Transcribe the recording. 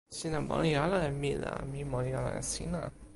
sina moli ala e mi la mi moli ala e sina.